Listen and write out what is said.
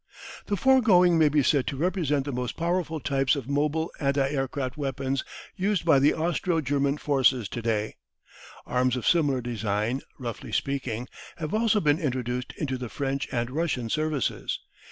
The foregoing may be said to represent the most powerful types of mobile anti aircraft weapons used by the Austro German forces to day. Arms of similar design, roughly speaking, have also been introduced into the French and Russian services.